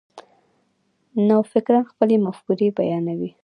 نوفکران خپلې مفکورې بیانوي.